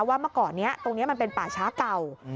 เมื่อก่อนนี้ตรงนี้มันเป็นป่าช้าเก่า